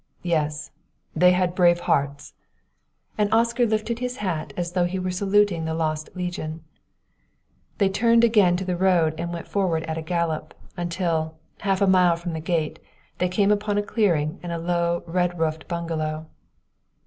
Yes; they had brave hearts," and Oscar lifted his hat as though he were saluting the lost legion. They turned again to the road and went forward at a gallop, until, half a mile from the gate, they came upon a clearing and a low, red roofed bungalow.